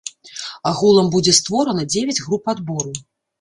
Агулам будзе створана дзевяць груп адбору.